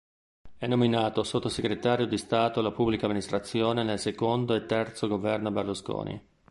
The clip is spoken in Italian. È nominato Sottosegretario di Stato alla Pubblica Amministrazione nel secondo e terzo governo Berlusconi.